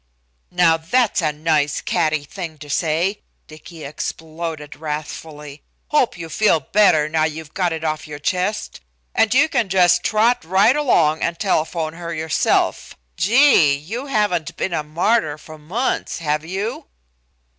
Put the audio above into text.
"Now, that's a nice, catty thing to say!" Dicky exploded wrathfully. "Hope you feel better, now you've got it off your chest. And you can just trot right along and telephone her yourself. Gee! you haven't been a martyr for months, have you?"